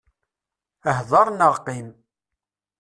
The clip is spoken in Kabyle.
Hder neɣ qqim!